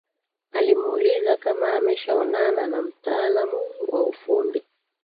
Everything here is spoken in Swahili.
Alimuuliza kama ameshaonana na mtaalamu wa ufundi